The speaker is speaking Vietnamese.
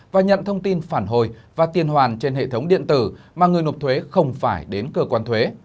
và nhận thông tin phản hồi và tiền hoàn trên hệ thống điện tử mà người nộp thuế không phải đến cơ quan thuế